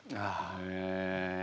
へえ。